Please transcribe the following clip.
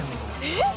えっ！